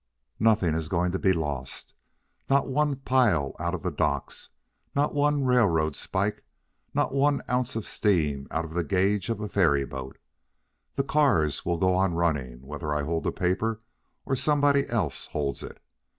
"Nothing is going to be lost not one pile out of the docks, not one railroad spike, not one ounce of steam out of the gauge of a ferry boat. The cars will go on running, whether I hold the paper or somebody else holds it.